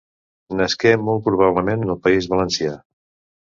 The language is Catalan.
Nasqué molt probablement al País Valencià.